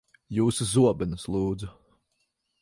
Jūsu zobenus, lūdzu.